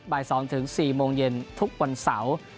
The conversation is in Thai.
บ่าย๒ถึง๔โมงเย็นทุกวันเสาร์